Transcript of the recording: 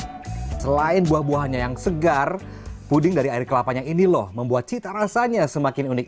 tapi kalau kita menikmati buah buahnya yang segar puding dari air kelapanya ini lho membuat cita rasanya semakin unik